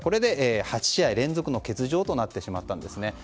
これで８試合連続の欠場となってしまったんですね。